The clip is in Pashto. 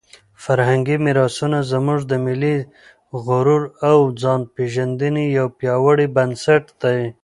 فرهنګي میراثونه زموږ د ملي غرور او د ځانپېژندنې یو پیاوړی بنسټ دی.